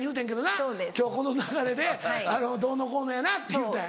今日この流れでどうのこうのやなって言うた。